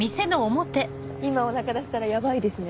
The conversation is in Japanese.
今お腹出したらヤバいですね。